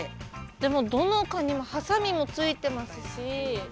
でもどのカニもはさみもついてますし。